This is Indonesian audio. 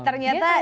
ternyata dia masih